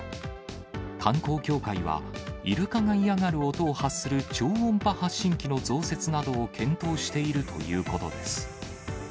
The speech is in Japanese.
観光協会は、イルカが嫌がる音を発する超音波発信器の増設などを検討しているということです。